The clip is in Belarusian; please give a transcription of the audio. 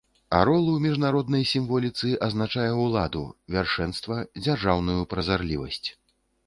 Арол у міжнароднай сімволіцы азначае ўладу, вяршэнства, дзяржаўную празарлівасць.